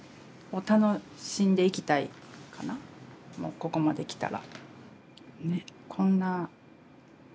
ここまできたら。